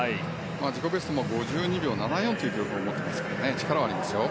自己ベストも５２秒７４という記録を持っていますから力はありますよ。